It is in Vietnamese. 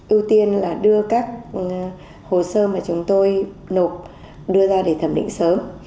ưu tiên là đưa các hồ sơ mà chúng tôi nộp đưa ra để thẩm định sớm